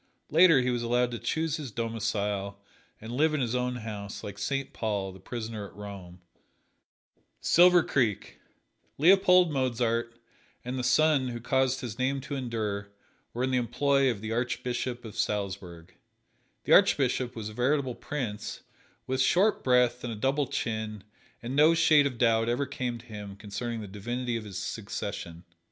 Later he was allowed to choose his domicile and live in his own house, like Saint Paul, the prisoner at Rome. His yearly stipend is yet that tierce of Canary. Silver Creek: Leopold Mozart, and the son who caused his name to endure, were in the employ of the Archbishop of Salzburg. The Archbishop was a veritable prince, with short breath and a double chin, and no shade of doubt ever came to him concerning the divinity of his succession.